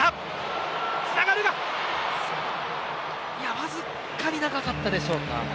わずかに長かったでしょうか。